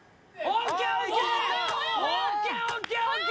ＯＫＯＫＯＫ